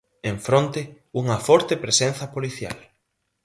Enfronte, unha forte presenza policial.